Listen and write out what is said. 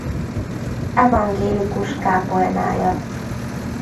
Evangélikus kápolnája.